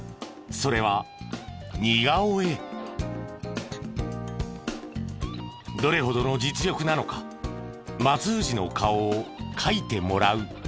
それはどれほどの実力なのか松藤の顔を描いてもらう。